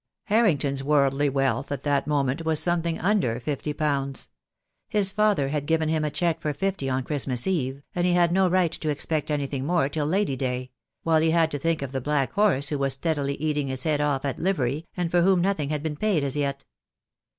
Harrington's worldly wealth at that moment was some thing under fifty pounds. His father had given him a cheque for fifty on Christmas Eve, and he had no right to expect anything more till Lady Day; while he had to think of the black horse who was steadily eating his head off at livery, and for whom nothing had been paid as yet.